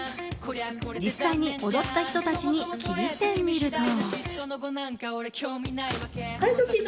実際に踊った人たちに聞いてみると。